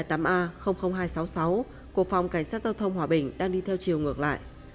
của phòng cảnh sát giao thông hòa bình đang đi theo chiều ngược lại